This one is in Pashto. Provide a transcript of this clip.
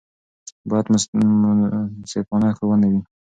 باید منصفانه ښوونه وي.